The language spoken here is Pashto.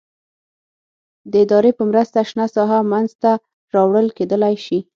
د ادارې په مرسته شنه ساحه منځته راوړل کېدلای شي.